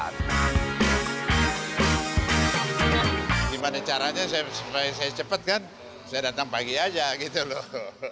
gimana caranya supaya saya cepat kan saya datang pagi aja gitu loh